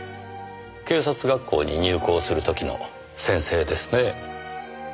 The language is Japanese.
警察学校に入校する時の宣誓ですね。